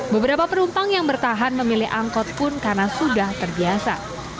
beberapa penumpang yang bertahan memilih angkot pun karena sudah terbiasa